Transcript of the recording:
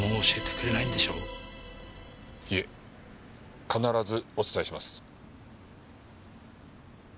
いえ必ずお伝えします。